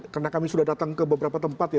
karena kami sudah datang ke beberapa tempat ya